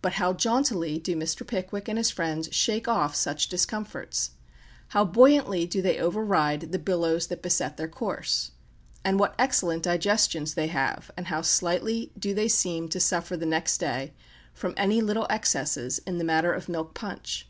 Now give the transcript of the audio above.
But how jauntily do Mr. Pickwick and his friends shake off such discomforts! How buoyantly do they override the billows that beset their course! And what excellent digestions they have, and how slightly do they seem to suffer the next day from any little excesses in the matter of milk punch!